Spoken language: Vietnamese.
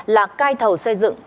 là cai thầu xây dựng